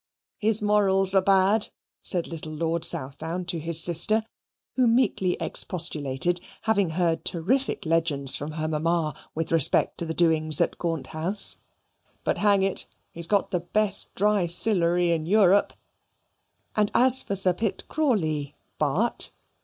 "His morals are bad," said little Lord Southdown to his sister, who meekly expostulated, having heard terrific legends from her mamma with respect to the doings at Gaunt House; "but hang it, he's got the best dry Sillery in Europe!" And as for Sir Pitt Crawley, Bart.